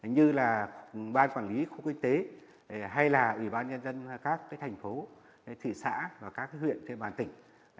như là ban quản lý khu kinh tế hay là ubnd các thành phố thị xã và các huyện trên địa bàn tỉnh